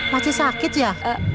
masih sakit ya